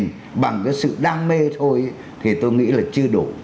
thì bằng cái sự đam mê thôi thì tôi nghĩ là chưa đủ